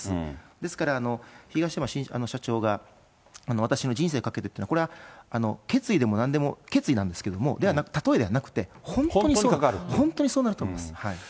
ですから、東山社長が私の人生かけてっていうのは、これは決意でもなんでも、決意なんですけど、例えではなくて、本当にそう、本当にそうなると思います。